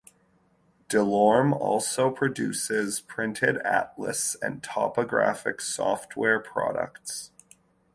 DeLorme also produces printed atlas and topographic software products.